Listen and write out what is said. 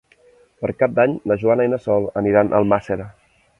Per Cap d'Any na Joana i na Sol aniran a Almàssera.